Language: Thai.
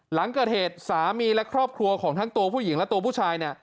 หลังเกิดเหตุสามีและครอบครัวของทั้งตัวผู้หญิงและตัวผู้ชายเนี่ย